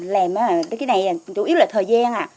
làm cái này chủ yếu là thời gian